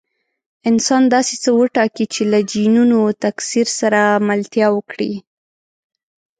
انسان داسې څه وټاکي چې له جینونو تکثیر سره ملتیا وکړي.